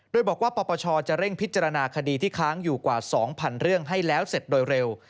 โดยบอกว่าปปชจะเร่งพิจารณาคดีที่ค้างอยู่กว่า๒๐๐เรื่องให้แล้วเสร็จโดยเร็ว